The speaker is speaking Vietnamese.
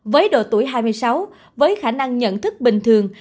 với độ tuổi hai mươi sáu với khả năng nhận thức bình thường